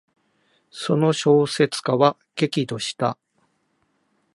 その小説家は激怒した。